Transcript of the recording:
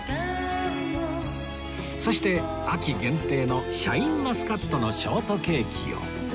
そして秋限定のシャインマスカットのショートケーキを